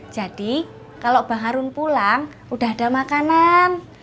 jadi kalau bang harun pulang udah ada makanan